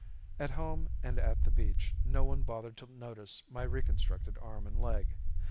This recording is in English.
At home and at the beach no one bothered to notice my reconstructed arm and leg.